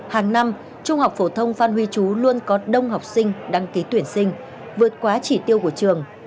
hàng năm trung học phổ thông phan huy chú luôn có đông học sinh đăng ký tuyển sinh vượt quá chỉ tiêu của trường